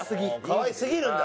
かわいすぎるんだ。